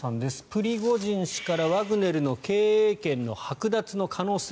プリゴジン氏から、ワグネルの経営権のはく奪の可能性。